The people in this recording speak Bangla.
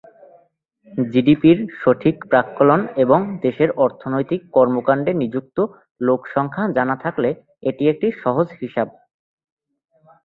জিডিপি’র সঠিক প্রাক্কলন এবং দেশের অর্থনৈতিক কর্মকাণ্ডে নিযুক্ত লোক সংখ্যা জানা থাকলে এটি একটি সহজ হিসাব।